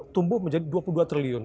tumbuh menjadi dua puluh dua triliun